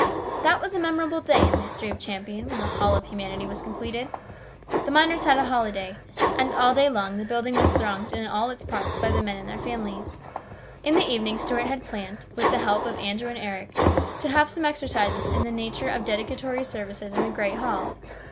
That was a memorable day in the history of Champion when The Hall of Humanity was com pleted. The miners had a holiday, and all day long 312 HIS BROTHER'S KEEPER. the building was thronged in all its parts by the men and their families. In the evening Stuart had planned, with the help of Andrew and Eric, to have some exercises in the nature of dedicatory services in the great hall.